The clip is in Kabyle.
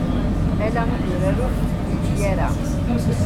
Ala idurar ur nettemlili ara.